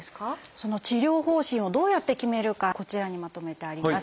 その治療方針をどうやって決めるかこちらにまとめてあります。